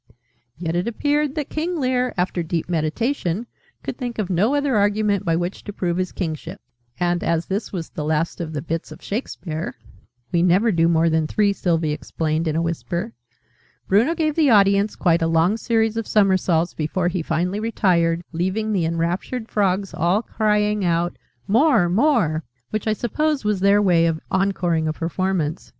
Yet it appeared that King Lear, after deep meditation, could think of no other argument by which to prove his kingship: and, as this was the last of the 'Bits' of Shakespeare ("We never do more than three," Sylvie explained in a whisper), Bruno gave the audience quite a long series of somersaults before he finally retired, leaving the enraptured Frogs all crying out "More! More!" which I suppose was their way of encoring a performance.